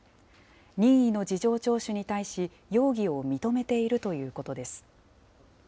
任意の事情聴取に対し、容疑を認めているということです。